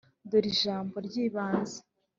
dore ijambo ry’ibanze